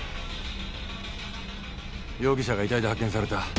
容疑者が遺体で発見された。